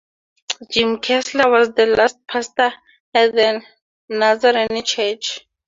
Jim Kessler was the last pastor at the Nazarene church.